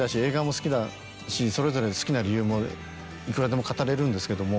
それぞれ好きな理由もいくらでも語れるんですけども。